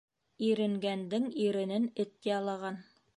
Иренгәндең иренен эт ялаған.